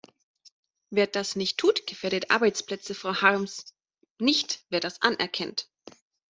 Wer das nicht tut, gefährdet Arbeitsplätze, Frau Harms, nicht wer das anerkennt.